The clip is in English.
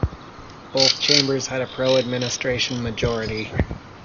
Both chambers had a Pro-Administration majority.